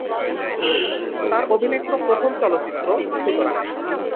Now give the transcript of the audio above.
তার অভিনীত প্রথম চলচ্চিত্র "সুতরাং"।